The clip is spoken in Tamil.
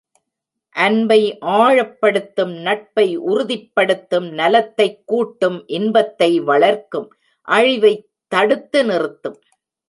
அன்பை ஆழப்படுத்தும் நட்பை உறுதிப் படுத்தும் நலத்தைக் கூட்டும் இன்பத்தை வளர்க்கும், அழிவைத் தடுத்து நிறுத்தும்.